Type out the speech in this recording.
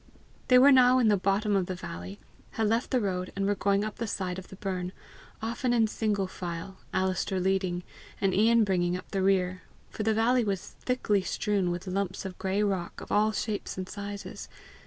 They were now in the bottom of the valley, had left the road, and were going up the side of the burn, often in single file, Alister leading, and Ian bringing up the rear, for the valley was thickly strewn with lumps of gray rock, of all shapes and sizes.